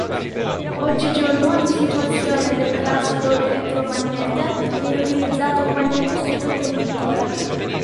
Oggigiorno, in sostituzione del classico elettromagnete, viene utilizzato un magnete superconduttore.